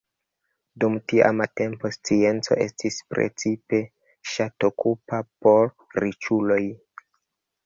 Dum tiama tempo, scienco estis precipe ŝatokupo por riĉuloj.